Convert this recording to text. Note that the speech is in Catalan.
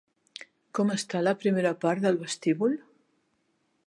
Com està la primera part del vestíbul?